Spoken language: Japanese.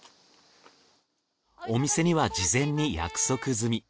お店には事前に約束済み。